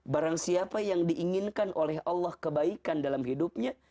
barang siapa yang diinginkan oleh allah kebaikan dalam hidupnya